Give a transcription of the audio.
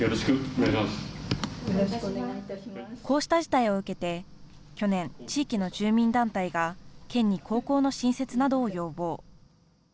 こうした事態を受けて去年、地域の住民団体が県に高校の新設などを要望。